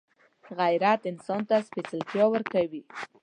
غیرت انسان ته سپېڅلتیا ورکوي